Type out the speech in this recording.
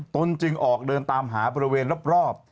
ตนจึงออกเดินตามหาบริเวณรอบ